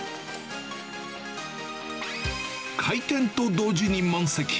開店と同時に満席。